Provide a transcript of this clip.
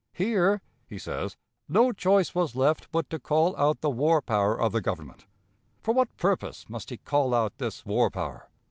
"Here," he says, "no choice was left but to call out the war power of the Government." For what purpose must he call out this war power?